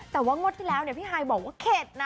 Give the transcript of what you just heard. แต่ว่างวดที่แล้วพี่ฮายบอกว่าเข็ดนะ